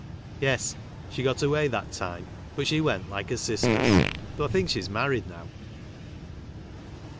Yes, she got away that time, but she went like her sisters, though I think she's married now."